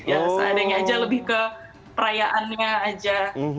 ya seadanya aja lebih ke perayaannya aja